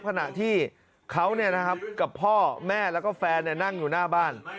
ขณะที่เขากับพ่อแม่แล้วก็แฟนนั่งอยู่หน้าบ้าน